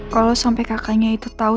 kalo sampe kakaknya itu tau